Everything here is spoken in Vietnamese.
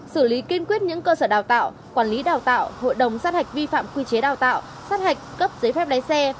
xử lý kiên quyết những cơ sở đào tạo quản lý đào tạo hội đồng sát hạch vi phạm quy chế đào tạo sát hạch cấp giấy phép lái xe